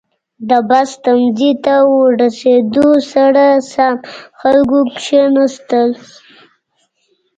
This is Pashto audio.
• د بس تمځي ته رسېدو سره سم، خلکو کښېناستل.